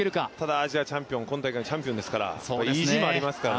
アジアチャンピオン、今大会のチャンピオンですから、意地もありますよね。